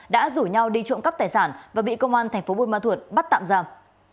đã rủ nhau đi trộm cắp tài sản và bị công an tp bun ma thuột bắt tạm giam